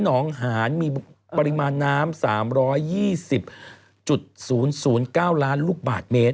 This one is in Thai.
หนองหานมีปริมาณน้ำ๓๒๐๙ล้านลูกบาทเมตร